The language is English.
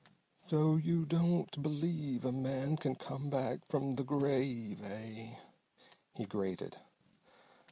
"So you don't believe a man can come back from the grave, eh?" he grated.